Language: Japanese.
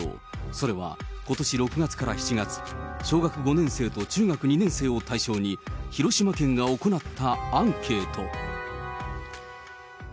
それはことし６月から７月、小学５年生と中学２年生を対象に、広島県が行ったアンケート。